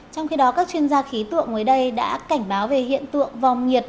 trong khi đó các chuyên gia khí tượng mới đây đã cảnh báo về hiện tượng vòng nhiệt